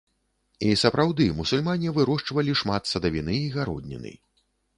І сапраўды, мусульмане вырошчвалі шмат садавіны і гародніны.